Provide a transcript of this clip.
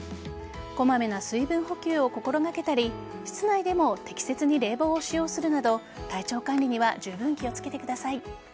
こまめな水分補給を心掛けたり室内でも適切に冷房を使用するなど体調管理にはじゅうぶん気を付けてください。